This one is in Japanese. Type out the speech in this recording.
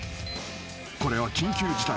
［これは緊急事態。